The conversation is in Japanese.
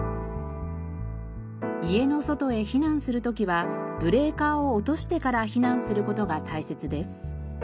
家の外へ避難する時はブレーカーを落としてから避難する事が大切です。